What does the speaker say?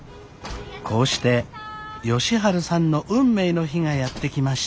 こうして佳晴さんの運命の日がやって来ました。